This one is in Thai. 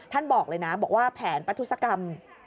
ท่านบอกเลยนะแผนปรัฐศกรรม